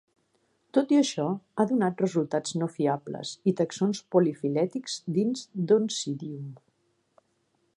Tot i això, ha donat resultats no fiables i taxons polifilètics dins d""Oncidium".